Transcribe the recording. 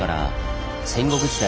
戦国時代